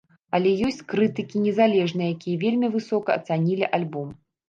Але ёсць крытыкі незалежныя, якія вельмі высока ацанілі альбом.